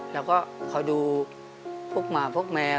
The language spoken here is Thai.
เราก็ขอดูพวกหมาพวกแมว